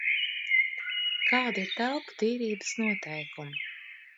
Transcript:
Kādi ir telpu tīrības noteikumi?